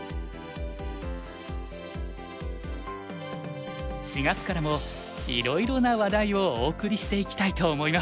４月からもいろいろな話題をお送りしていきたいと思います。